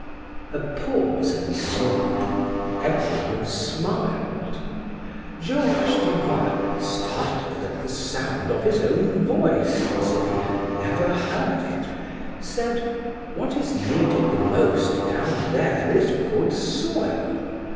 A pause ensued. Everyone smiled. Georges Duroy, startled at the sound of his own voice, as if he had never heard it, said: "What is needed the most down there is good soil.